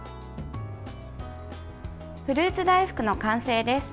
フルーツ大福の完成です。